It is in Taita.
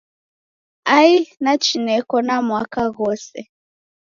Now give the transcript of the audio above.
Ai nachi neko na mwaka ghose!